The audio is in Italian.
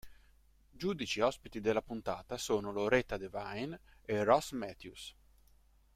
Giudici ospiti della puntata sono Loretta Devine e Ross Matthews.